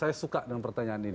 saya suka dengan pertanyaan ini